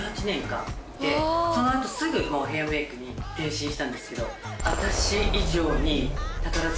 その後すぐヘアメイクに転身したんですけど。